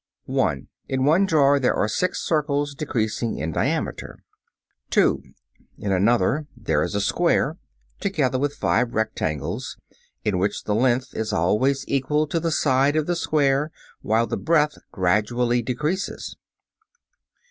(1) In one drawer there are six circles decreasing in diameter. (Fig. 17.) [Illustration: FIG. 17. SET OF SIX CIRCLES.] (2) In another there is a square, together with five rectangles in which the length is always equal to the side of the square while the breadth gradually decreases.